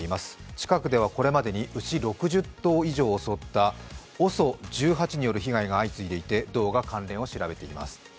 近くではこれまでに牛６０頭を襲ったＯＳＯ１８による被害が相次いでいて道が関連を調べています。